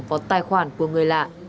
có tài khoản của người lạ